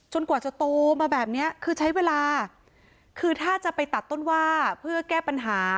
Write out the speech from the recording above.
กว่าจะโตมาแบบเนี้ยคือใช้เวลาคือถ้าจะไปตัดต้นว่าเพื่อแก้ปัญหา